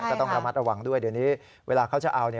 ก็ต้องระมัดระวังด้วยเดี๋ยวนี้เวลาเขาจะเอา